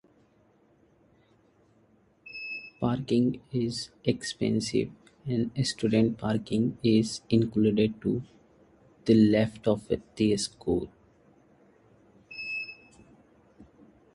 Parking is expansive and student parking is included to the left of the school.